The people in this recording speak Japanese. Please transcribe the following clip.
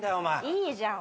いいじゃん